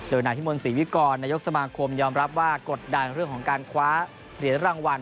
โดยนายพิมลศรีวิกรนายกสมาคมยอมรับว่ากดดันเรื่องของการคว้าเหรียญรางวัล